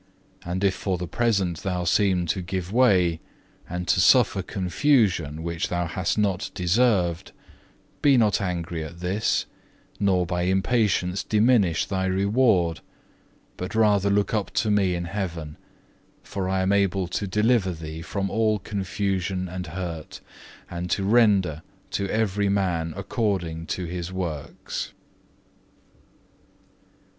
And if for the present thou seem to give way, and to suffer confusion which thou hast not deserved, be not angry at this, nor by impatience diminish thy reward; but rather look up to Me in heaven, for I am able to deliver thee from all confusion and hurt, and to render to every man according to his works."